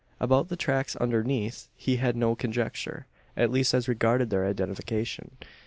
About the tracks underneath he had no conjecture at least as regarded their identification.